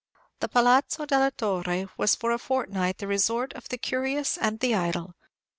The Palazzo della Torre was for a fortnight the resort of the curious and the idle.